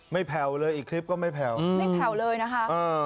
แผ่วเลยอีกคลิปก็ไม่แผ่วไม่แผ่วเลยนะคะ